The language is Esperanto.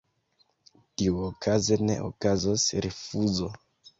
Tiuokaze ne okazos rifuzo.